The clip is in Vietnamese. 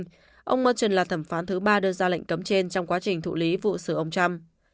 tuy nhiên ông machen là thẩm phán thứ ba đưa ra lệnh cấm trên trong quá trình thụ lý vụ xử ông trump